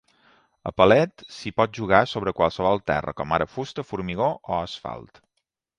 A palet s'hi pot jugar sobre qualsevol terra, com ara fusta, formigó o asfalt.